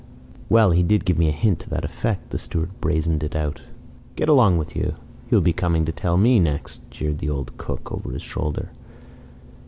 "Well, he did give me a hint to that effect," the steward brazened it out. "Get along with you! He will be coming to tell me next," jeered the old cook, over his shoulder.